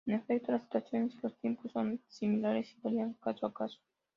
En efecto, las situaciones y los tiempos son disímiles, y varían caso a caso.